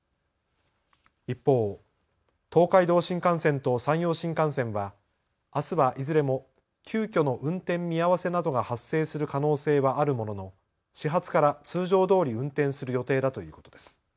一方、東海道新幹線と山陽新幹線はあすはいずれも急きょの運転見合わせなどが発生する可能性はあるものの始発から通常どおり運転する予定だということです。